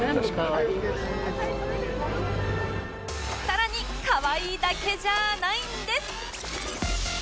さらにかわいいだけじゃないんです